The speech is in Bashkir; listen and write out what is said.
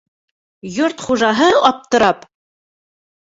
Йорт хужаһы, аптырап: